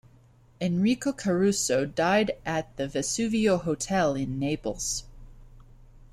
Enrico Caruso died at the Vesuvio Hotel in Naples.